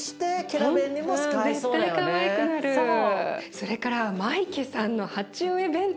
それからマイケさんの鉢植え弁当？